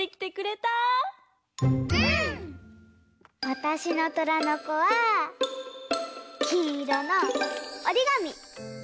わたしの「虎の子」はきんいろのおりがみ！